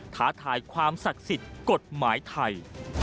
ท้าทายความศักดิ์สิทธิ์กฎหมายไทย